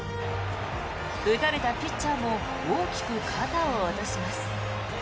打たれたピッチャーも大きく肩を落とします。